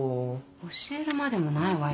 教えるまでもないわよ。